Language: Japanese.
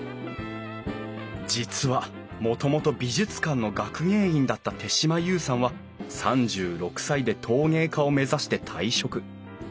実はもともと美術館の学芸員だった手島裕さんは３６歳で陶芸家を目指して退職。